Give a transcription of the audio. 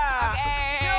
いくよ！